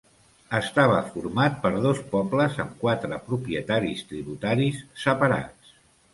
Estava format per dos pobles amb quatre propietaris tributaris separats.